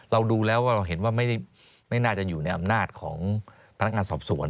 เราดูแล้วว่าเราเห็นว่าไม่น่าจะอยู่ในอำนาจของพนักงานสอบสวน